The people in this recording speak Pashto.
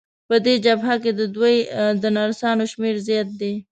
په دغه جبهه کې د دوی د نرسانو شمېر زیات دی.